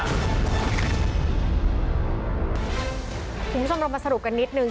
คุณผู้ชมเรามาสรุปกันนิดนึง